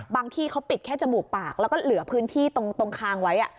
ที่เขาปิดแค่จมูกปากแล้วก็เหลือพื้นที่ตรงคางไว้